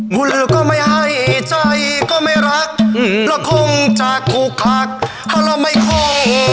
งุลก็ไม่ให้ใจก็ไม่รักแล้วคงจะถูกคักหรือไม่คง